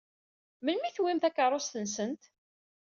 Melmi i tewwim takeṛṛust-nsent?